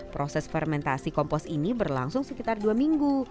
proses fermentasi kompos ini berlangsung sekitar dua minggu